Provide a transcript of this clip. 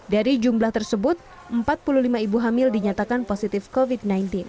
dari jumlah tersebut empat puluh lima ibu hamil dinyatakan positif covid sembilan belas